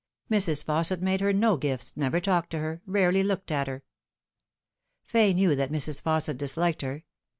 Mrs. Fausset made her no gifts, never talked to her, rarely looked at her. Fay knew that Mrs. Fausset disliked her.